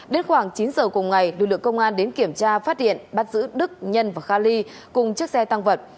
đến khoảng chín giờ cùng ngày lực lượng công an đến kiểm tra phát hiện bắt giữ đức nhân và kha ly cùng chiếc xe tăng vật